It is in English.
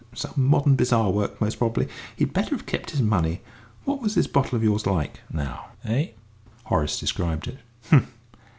"Some modern bazaar work, most probably. He'd better have kept his money. What was this bottle of yours like, now, eh?" Horace described it. "H'm.